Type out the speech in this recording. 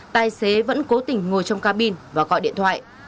tài xế vẫn cố tình ngồi trong cabin và gọi điện thoại